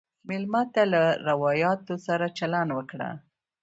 مېلمه ته له روایاتو سره چلند وکړه.